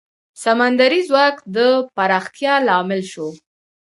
سمندري ځواک د پراختیا لامل شو.